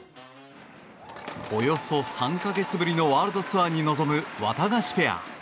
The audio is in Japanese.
およそ３か月ぶりのワールドツアーに臨むワタガシペア。